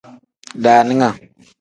Daaninga.